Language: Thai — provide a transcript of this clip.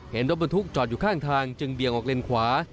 รถบรรทุกจอดอยู่ข้างทางจึงเบี่ยงออกเลนขวา